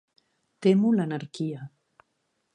Temo l'anarquia.